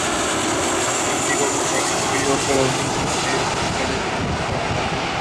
Su catálogo vocal incluye óperas, misas, comedias musicales y unas cincuenta canciones.